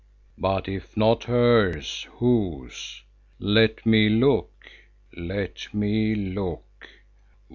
But if not hers, whose? Let me look, let me look!